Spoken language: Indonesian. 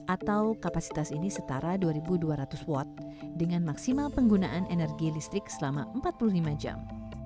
atau kapasitas ini setara dua dua ratus watt dengan maksimal penggunaan energi listrik selama empat puluh lima jam